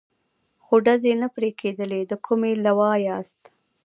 خو ډزې نه پرې کېدلې، د کومې لوا یاست؟